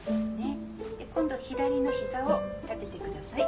今度は左のひざを立ててください。